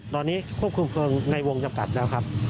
ตอนนี้ควบคุมเพลิงในวงจำกัดแล้วครับ